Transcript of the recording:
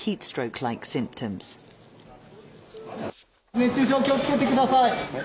熱中症に気をつけてください。